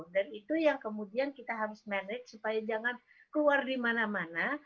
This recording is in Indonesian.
dan itu yang kemudian kita harus manage supaya jangan keluar di mana mana